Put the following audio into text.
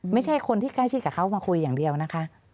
ไม่ใช่คนที่ใกล้ชิดกับเขามาคุยอย่างเดียวนะคะ